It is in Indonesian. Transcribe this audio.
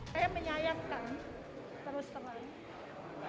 saya menyayangkan terus terus